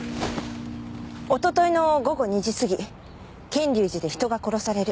おとといの午後２時過ぎ「賢隆寺で人が殺される」